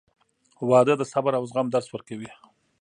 • واده د صبر او زغم درس ورکوي.